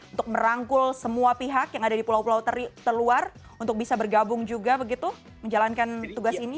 untuk merangkul semua pihak yang ada di pulau pulau terluar untuk bisa bergabung juga begitu menjalankan tugas ini